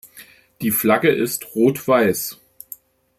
Die Flagge ist rotweiss.